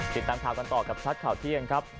ติดตามข่าวกันต่อกับชัดข่าวเที่ยงครับ